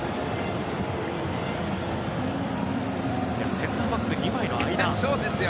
センターバック２枚の間ですよ。